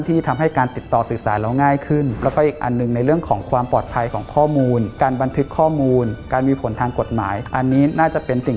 ที่ทำให้การติดต่อสื่อสารเราง่ายขึ้น